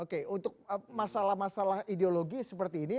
oke untuk masalah masalah ideologi seperti ini